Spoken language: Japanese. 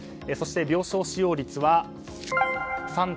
そして病床使用率は３．８％。